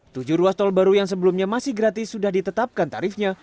tujuh ruas tol baru yang sebelumnya masih gratis sudah ditetapkan tarifnya